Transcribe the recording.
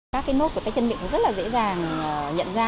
các cái nốt của tay chân miệng cũng rất là dễ dàng nhận ra